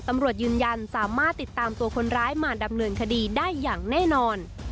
ตำรวจยืนยันสามารถติดตามตัวคนร้ายมาดำเนินคดีได้อย่างแน่นอน